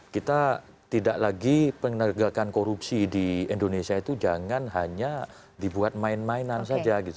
kita tidak lagi penegakan korupsi di indonesia itu jangan hanya dibuat main mainan saja gitu